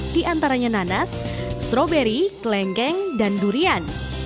diantaranya nanas stroberi klengkeng dan durian